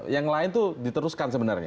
yang lain itu diteruskan sebenarnya